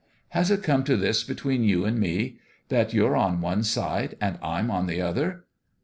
" Has it come to this between you and me : that you're on one side and I'm on the other?"